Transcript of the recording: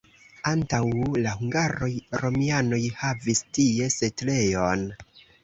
Antaŭ la hungaroj romianoj havis tie setlejon.